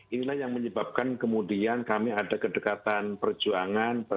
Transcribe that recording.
inilah yang menyebabkan kemudian kami ada kedekatan perjuangan